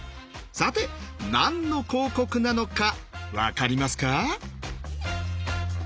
さて何の広告なのか分かりますか？